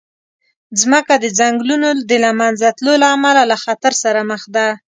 مځکه د ځنګلونو د له منځه تلو له امله له خطر سره مخ ده.